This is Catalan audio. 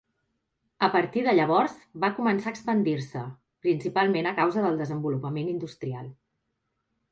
A partir de llavors va començar a expandir-se, principalment a causa del desenvolupament industrial.